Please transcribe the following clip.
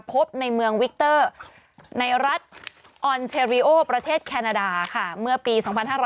พบในเมืองวิกเตอร์ในรัฐออนเทรีโอประเทศแคนาดาค่ะเมื่อปี๒๕๕๙